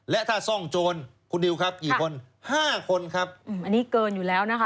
และถ้าซ่องโจรคุณนิวครับกี่คนห้าคนครับอันนี้เกินอยู่แล้วนะคะ